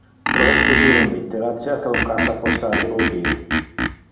Pro expedir un littera, cerca un cassa postal rubie.